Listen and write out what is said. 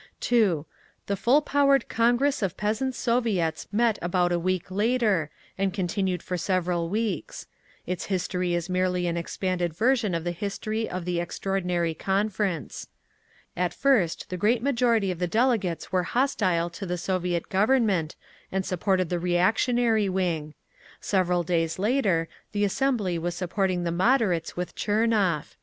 The full powered Congress of Peasants' Soviets met about a week later, and continued for several weeks. Its history is merely an expanded version of the history of the "Extraordinary Conference." At first the great majority of the delegates were hostile to the Soviet Government, and supported the reactionary wing. Several days later the assembly was supporting the moderates with Tchernov.